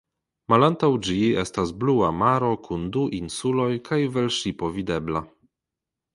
Malantaŭ ĝi estas blua maro kun du insuloj kaj velŝipo videbla.